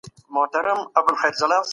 لیکل تر اورېدلو ډېر وخت غواړي.